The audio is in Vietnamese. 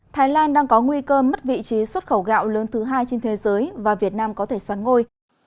thái lan đang có nguy cơ mất vị trí xuất khẩu gạo lớn thứ hai trên thế giới và việt nam có thể xoắn ngôi